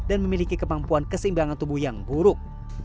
dan memiliki kemampuan keseimbangan tubuh yang buruk